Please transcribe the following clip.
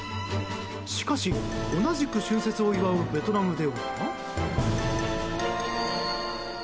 しかし、同じく春節を祝うベトナムでは。